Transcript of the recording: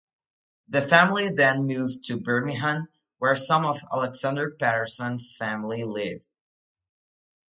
The family then moved to Birmingham, where some of Alexander Paterson's family lived.